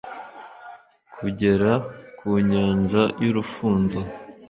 kugera ku nyanja y'urufunzo